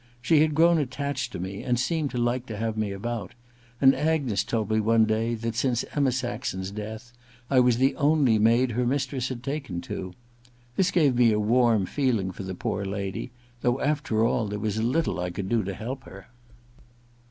She had grown attached to me and 148 THE LADTS MAID'S BELL iv seemed to like to have me about ; and Agnes told me one day that, since Emma Saxon*s death, I was the only maid her mistress had taken to. This gave me a warm feeling for the poor lady, though after all there was little I could do to help her.